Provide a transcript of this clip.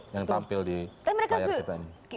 yang tampil di layar kita ini